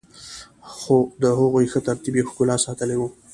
خو د هغوی ښه ترتیب يې ښکلا ساتلي وه.